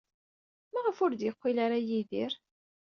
Maɣef ur d-yeqqil ara Yidir?